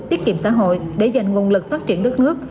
tiết kiệm xã hội để dành nguồn lực phát triển đất nước